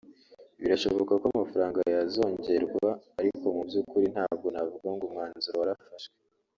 birashoboka ko amafaranga yazongerwa ariko mu by’ukuri ntabwo navuga ngo umwanzuro warafashwe